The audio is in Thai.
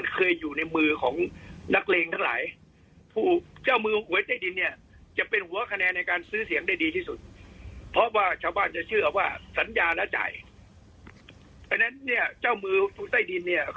ก็มือใต้ดินเนี่ยคือเยอะแยะไปหมด